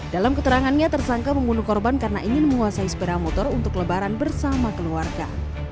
dalam keterangannya tersangka membunuh korban karena ingin menguasai sepeda motor untuk lebaran bersama keluarga